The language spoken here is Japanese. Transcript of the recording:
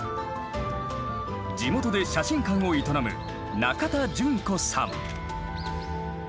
地元で写真館を営む中田絢子さん。